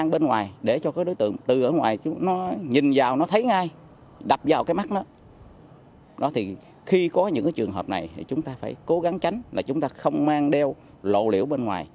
vào cái mắt đó khi có những trường hợp này chúng ta phải cố gắng tránh là chúng ta không mang đeo lộ liễu bên ngoài